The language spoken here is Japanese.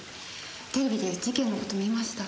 テレビで事件の事見ました。